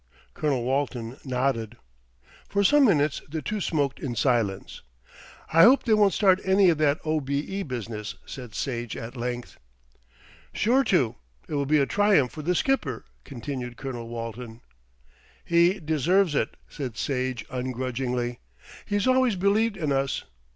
Colonel Walton nodded. For some minutes the two smoked in silence. "I hope they won't start any of that O.B.E. business," said Sage at length. "Sure to. It will be a triumph for the Skipper," continued Colonel Walton. "He deserves it," said Sage ungrudgingly. "He's always believed in us.